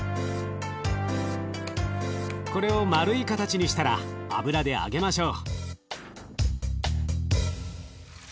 これを丸い形にしたら油で揚げましょう。